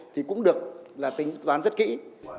thì cũng được tính toán rất kỹ